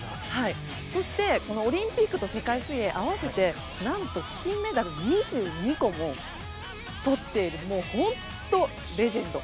そして、オリンピックと世界水泳を合わせて何と金メダル２２個もとっている本当、レジェンド。